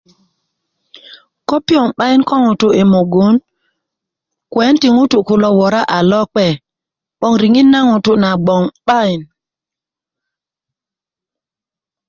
ko piyoŋ 'bayin ko ŋutu i mugun kuwen ti ŋutú kulo wora a lokpe riŋit na ŋutu na gboŋ 'bayin